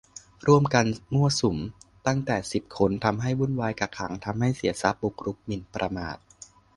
"ร่วมกันมั่วสุมตั้งแต่สิบคน ทำให้วุ่นวาย กักขัง ทำให้เสียทรัพย์ บุกรุก หมิ่นประมาท"